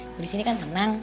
kalau di sini kan tenang